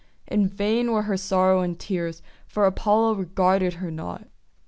In vain were her sorrow and tears, for Apollo regarded her not.